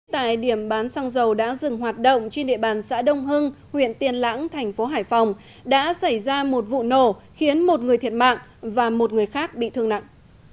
tại điểm bán xăng dầu đã dừng hoạt động trên địa bàn xã đông hưng huyện tiên lãng thành phố hải phòng đã xảy ra một vụ nổ khiến một người thiệt mạng và một người khác bị thương nặng